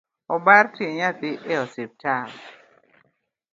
Obar tie nyathi e osiptal